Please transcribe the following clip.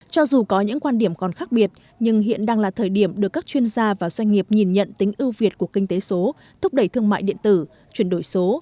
cho dù có những quan điểm còn khác biệt nhưng hiện đang là thời điểm được các chuyên gia và doanh nghiệp nhìn nhận tính ưu việt của kinh tế số thúc đẩy thương mại điện tử chuyển đổi số